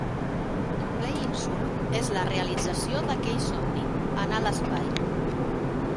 Playing Sulu és la realització d"aquell somni: anar a l"espai.